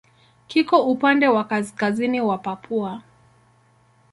Kiko upande wa kaskazini wa Papua.